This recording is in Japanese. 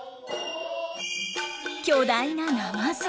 巨大なナマズ。